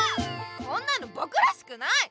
こんなのぼくらしくない！